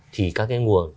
thì các cái nguồn